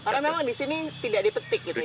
karena memang di sini tidak dipetik gitu ya